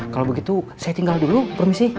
kalau begitu saya tinggal dulu permisi